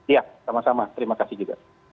ya sama sama terima kasih juga